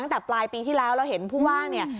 ตั้งแต่ปลายปีที่แล้วเราเห็นผู้ว่างเนี่ย